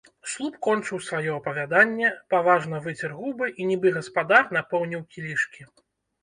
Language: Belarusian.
Слуп кончыў сваё апавяданне, паважна выцер губы і, нібы гаспадар, напоўніў кілішкі.